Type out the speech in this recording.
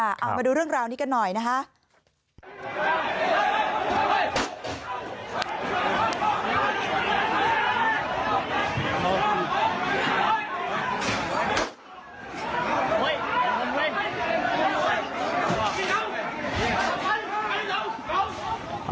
เอามาดูเรื่องราวนี้กันหน่อยนะคะ